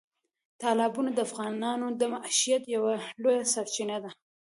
تالابونه د افغانانو د معیشت یوه لویه سرچینه ده.